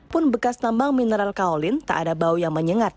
pun bekas tambang mineral kaulin tak ada bau yang menyengat